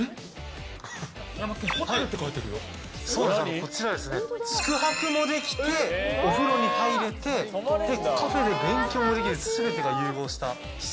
こちら、宿泊もできてお風呂に入れてカフェで勉強できる全てが融合した施設。